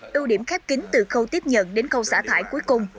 đô điểm khép kính từ khâu tiếp nhận đến khâu xả thải cuối cùng